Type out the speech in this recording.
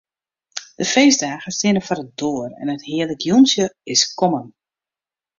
De feestdagen steane foar de doar en it hearlik jûntsje is kommen.